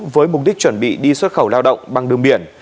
với mục đích chuẩn bị đi xuất khẩu lao động bằng đường biển